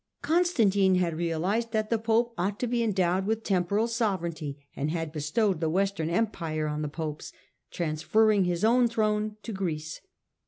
Constantine had realised that the Pope ought to be endowed with temporal sovereignty and had bestowed the Western Empire on the Popes, transferring his own throne to Greece.